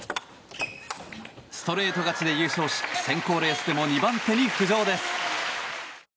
ストレート勝ちで優勝し選考レースでも２番手に浮上です。